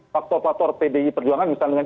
faktor faktor pdi perjuangan misalnya dengan